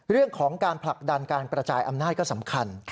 เรื่องของการผลักดันการกระจายอำนาจก็สำคัญ